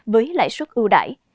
với lãi suất ưu đải